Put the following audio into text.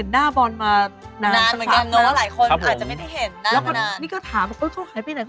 น้องบอลใช่ไหม